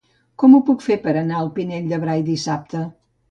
Com ho puc fer per anar al Pinell de Brai dissabte?